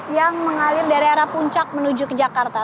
yang mengalir dari arah puncak menuju ke jakarta